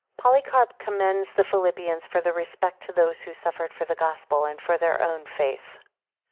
Polycarp commends the Philippians for their respect to those who suffered for the Gospel; and for their own faith.